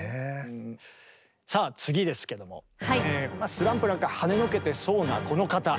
スランプなんかはねのけてそうなこの方。